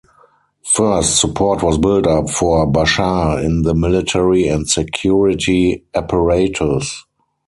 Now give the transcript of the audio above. First, support was built up for Bashar in the military and security apparatus.